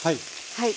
はい。